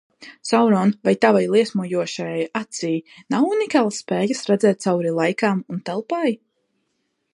Sauron, vai tavai liesmojošajai acij nav unikālas spējas redzēt cauri laikam un telpai?